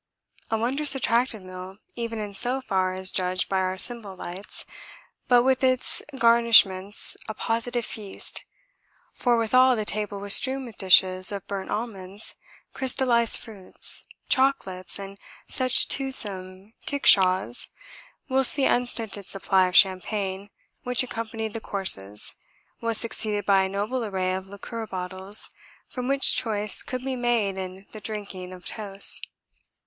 A wondrous attractive meal even in so far as judged by our simple lights, but with its garnishments a positive feast, for withal the table was strewn with dishes of burnt almonds, crystallised fruits, chocolates and such toothsome kickshaws, whilst the unstinted supply of champagne which accompanied the courses was succeeded by a noble array of liqueur bottles from which choice could be made in the drinking of toasts.